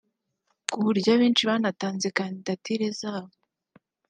ku buryo abenshi banatanze kandidatire zabo